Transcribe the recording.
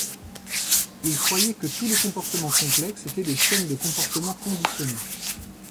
Il croyait que tous les comportements complexes étaient des chaînes de comportements conditionnés.